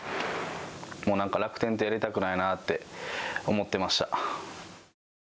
もう楽天とやりたくないなって思ってました。